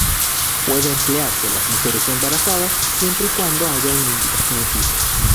Puede emplearse en las mujeres embarazadas siempre y cuando haya una indicación firme.